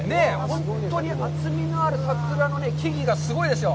本当に厚みのある桜の木々がすごいですよ。